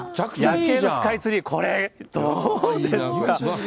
夜景とスカイツリー、これ、どうですか。